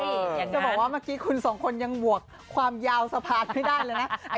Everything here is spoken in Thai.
ผมจะบอกบ่างี้น้องคุณสองคนยังบวกความยาวสะพานไม่ได้แล้วนะ